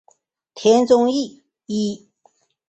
田中义一。